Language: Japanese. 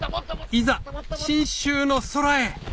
いざ信州の空へ！